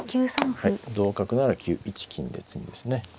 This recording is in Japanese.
はい同角なら９一金で詰みですね。